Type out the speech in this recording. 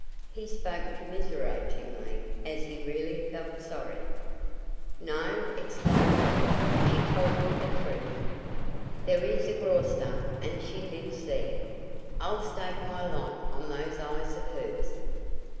He spoke commiseratingly, as he really felt sorry. "No!" exclaimed Lorry. "She told me the truth. There is a Graustark and she lives there. I'll stake my life on those eyes of hers."